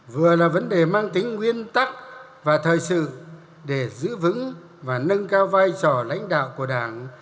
vừa là vấn đề mang tính nguyên tắc và thời sự để giữ vững và nâng cao vai trò lãnh đạo của đảng